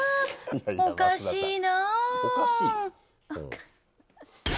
おかしいな。